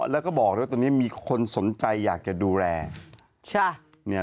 แล้วก็บอกด้วยตอนนี้มีคนสนใจอยากจะดูแล